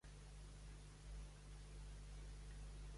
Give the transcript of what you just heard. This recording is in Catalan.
Un mosso ha estat enviat a Truro per demanar auxili.